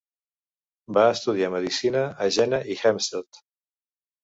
Va estudiar medicina a Jena y Helmstedt.